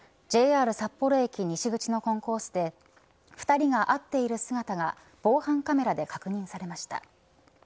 ＪＲ札幌駅西口のコンコースで２人が会っている姿が防犯カメラで確認されました。